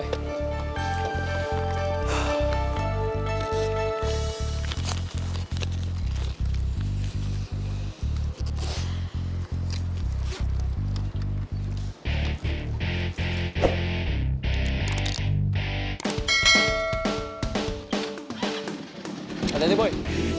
sampai jumpa boy